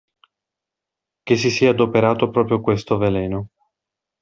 Che si sia adoperato proprio questo veleno .